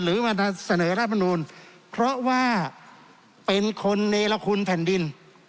หรือมาเสนอรัฐมนูลเพราะว่าเป็นคนเนรคุณแผ่นดิน